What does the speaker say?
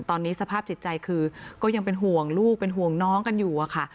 ตอนนี้สภาพจิตใจคือก็ยังเป็นห่วงลูกเป็นห่วงน้องกันอยู่อะค่ะ